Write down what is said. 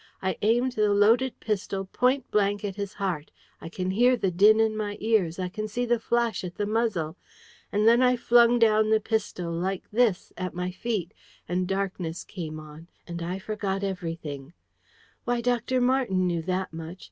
I aimed the loaded pistol point blank at his heart, I can hear the din in my ears. I can see the flash at the muzzle. And then I flung down the pistol like this at my feet: and darkness came on; and I forgot everything. Why, Dr. Marten knew that much!